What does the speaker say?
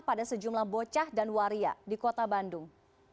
pada sejumlah bocah dan waria di kota bandung